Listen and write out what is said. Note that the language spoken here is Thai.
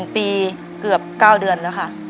๑ปีเกือบ๙เดือนแล้วค่ะ